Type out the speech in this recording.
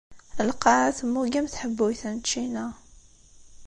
Lqaɛa temmug am tḥebbuyt n ččina.